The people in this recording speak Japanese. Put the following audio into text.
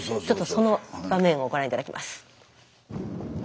ちょっとその場面をご覧頂きます。